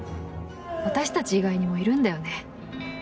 私たち以外にもいるんだよね。